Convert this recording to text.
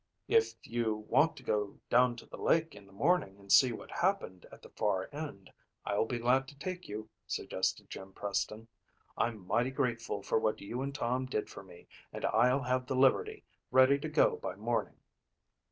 "If you want to go down the lake in the morning and see what happened at the far end I'll be glad to take you," suggested Jim Preston. "I'm mighty grateful for what you and Tom did for me and I'll have the Liberty ready to go by morning."